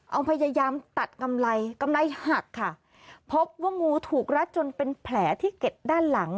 เอาพยายามตัดกำไรกำไรหักค่ะพบว่างูถูกรัดจนเป็นแผลที่เก็ดด้านหลัง